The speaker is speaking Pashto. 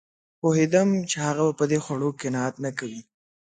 پوهېدم چې هغه په دې خوړو قناعت نه کوي